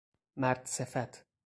مردصفت